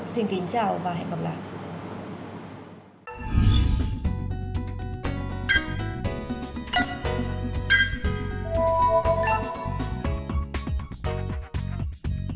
xin kính chào và hẹn gặp lại